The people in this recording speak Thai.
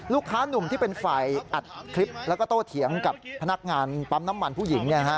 นุ่มที่เป็นฝ่ายอัดคลิปแล้วก็โตเถียงกับพนักงานปั๊มน้ำมันผู้หญิง